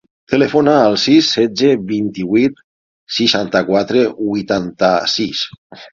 Telefona al sis, setze, vint-i-vuit, seixanta-quatre, vuitanta-sis.